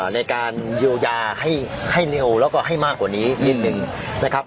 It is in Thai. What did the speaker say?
ในการเยียวยาให้เร็วแล้วก็ให้มากกว่านี้นิดนึงนะครับ